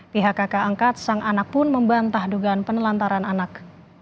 pihak kakak angkat sang anak pun membantah dugaan penelantaran anak